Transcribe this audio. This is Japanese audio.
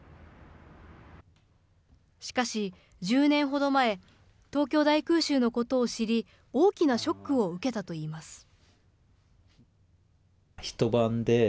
しかし、１０年ほど前、東京大空襲のことを知り、大きなショックを受けたといいます。